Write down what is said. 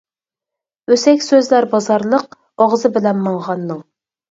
ئۆسەك سۆزلەر بازارلىق، ئاغزى بىلەن ماڭغاننىڭ.